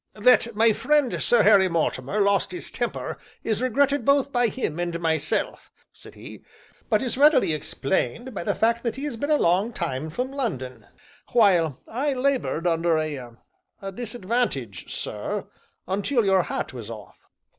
"That my friend, Sir Harry Mortimer, lost his temper, is regretted both by him and myself," said he, "but is readily explained by the fact that he has been a long time from London, while I labored under a a disadvantage, sir until your hat was off."